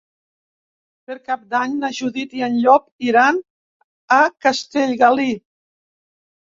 Per Cap d'Any na Judit i en Llop iran a Castellgalí.